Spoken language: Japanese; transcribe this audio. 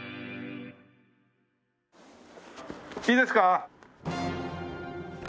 いいですか？